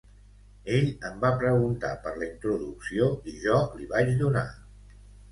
Ell em va preguntar per la introducció i jo li la vaig donar.